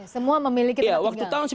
semua memiliki rumah tinggi